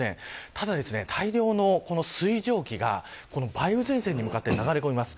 ただ、大量の水蒸気が梅雨前線に向かって流れ込みます。